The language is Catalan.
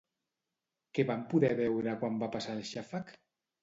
Què van poder veure quan va passar el xàfec?